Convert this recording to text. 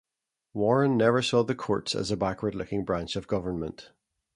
Warren never saw the courts as a backward-looking branch of government.